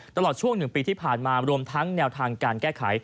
ตลอดช่วง๑ปีที่ผ่านมารวมทั้งแนวทางการแก้ไข